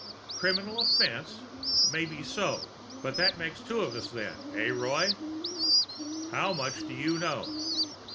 "Criminal offence? Maybe so ... but that makes two of us, then. Eh, Roy?" "How much do you know?"